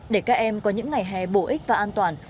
để các em có những ngày hè bổ ích và an toàn